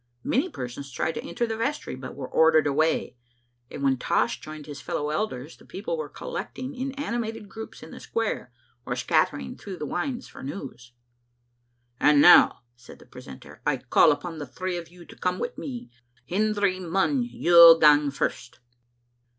Many persons tried to enter the vestry, but were ordered away, and when Tosh joined his fellow elders the people were collecting in animated groups in the square, or scattering through the wynds for news. "And now," said the precentor, "I call upon the three o* you to come wi' me. Hendry Munn, you gang first."